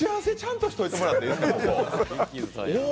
打ち合わせ、ちゃんとしてもらっていいですか。